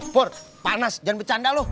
pur panas jangan bercanda loh